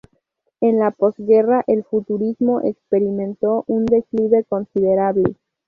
En la posguerra el futurismo experimentó un declive considerable.